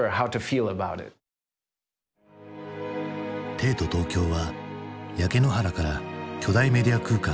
帝都東京は焼け野原から巨大メディア空間へ。